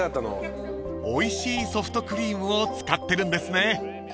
［おいしいソフトクリームを使ってるんですね］